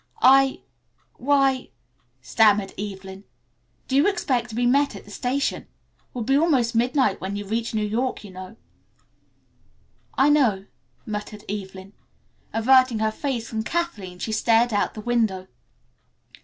"I why " stammered Evelyn. "Do you expect to be met at the station? It will be almost midnight when we reach New York, you know." "I know," muttered Evelyn. Averting her face from Kathleen she stared out the window.